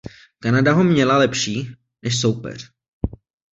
Kanada ho měla lepší než soupeř.